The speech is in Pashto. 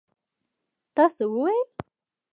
تا څه وویل?